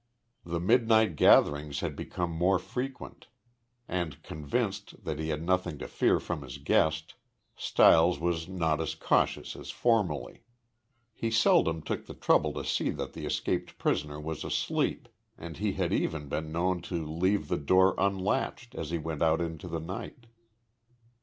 The midnight gatherings had become more frequent and, convinced that he had nothing to fear from his guest, Stiles was not as cautious as formerly. He seldom took the trouble to see that the escaped prisoner was asleep and he had even been known to leave the door unlatched as he went out into the night.